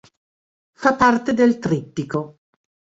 Fa parte del "Trittico".